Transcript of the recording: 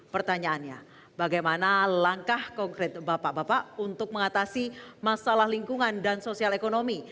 pertanyaannya bagaimana langkah konkret bapak bapak untuk mengatasi masalah lingkungan dan sosial ekonomi